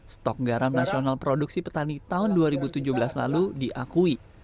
stok garam nasional produksi petani tahun dua ribu tujuh belas lalu diakui